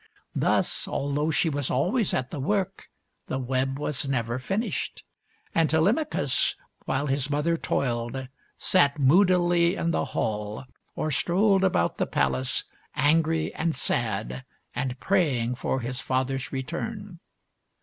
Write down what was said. Thus, although she was always at the work, the web was never finished. And Telem achus, while his mother toiled, sat moodily in the PENELOPE'S WEB 1 63 hall or strolled about the palace, angry and sad, and praying for his father's return.